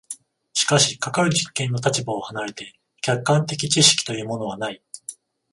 しかしかかる実験の立場を離れて客観的知識というものはない。